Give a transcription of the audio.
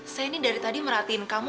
saya ini dari tadi merhatiin kamu